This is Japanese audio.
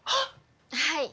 はい。